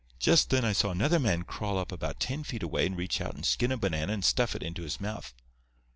Just then I saw another man crawl up about ten feet away and reach out and skin a banana and stuff it into his mouth.